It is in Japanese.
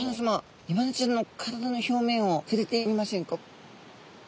イワナちゃんの体の表面をふれてみませんか？